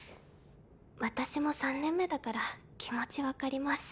私も３年目だから気持ち分かります。